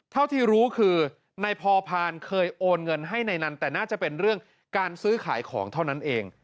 เท่าที่รู้คือนายพอพานเคยโอนเงินให้ในนั้นแต่น่าจะเป็นเรื่องการซื้อขายของเท่านั้นเอง